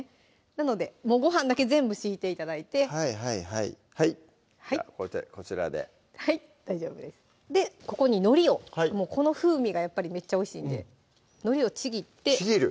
なのでご飯だけ全部敷いて頂いてはいはいはいはいじゃあこちらではい大丈夫ですでここにのりをこの風味がやっぱりめっちゃおいしいんでのりをちぎってちぎる？